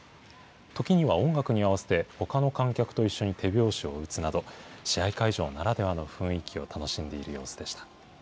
時には音楽に合わせてほかの観客と一緒に手拍子を打つなど、試合会場ならではの雰囲気を楽しんでいる様子でした。